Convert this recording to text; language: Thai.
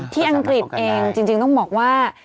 อังกฤษเองจริงต้องบอกว่า